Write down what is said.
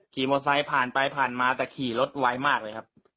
โมไซค์ผ่านไปผ่านมาแต่ขี่รถไวมากเลยครับ